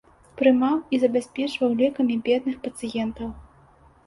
Прымаў і забяспечваў лекамі бедных пацыентаў.